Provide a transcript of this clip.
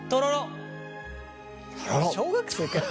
小学生かよ。